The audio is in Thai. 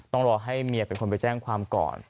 ต้องรอให้เมียเป็นคนไปแจ้งความก่อน